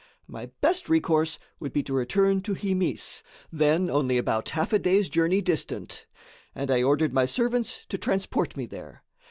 My best recourse would be to return to Himis, then only about half a day's journey distant, and I ordered my servants to transport me there.